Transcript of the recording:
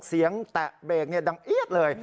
เสียงแตะเบรกดังเอี๊ยดเลย